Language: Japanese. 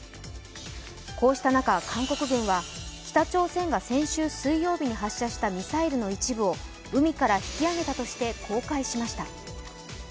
こうした中韓国軍は北朝鮮が先週水曜日に発射したミサイルの一部を海から引き揚げたとして公開しました。